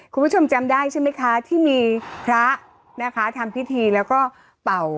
คุณผู้ชมจำได้ใช่ไหมคะที่มีพระนะคะทำพิธีแล้วก็เป่า